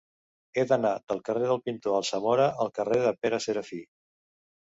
He d'anar del carrer del Pintor Alsamora al carrer de Pere Serafí.